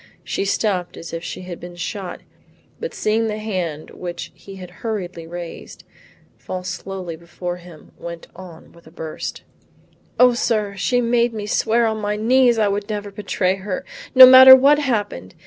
She stopped as if she had been shot, but seeing the hand which he had hurriedly raised, fall slowly before him, went on with a burst, "O sir, she made me swear on my knees I would never betray her, no matter what happened.